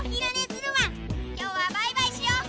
今日はバイバイしよう。